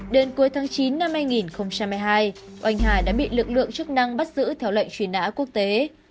đến cuối tháng chín năm hai nghìn hai mươi hai oanh hải đã bị lực lượng chức năng bắt giữ theo lệnh truy nã quốc tế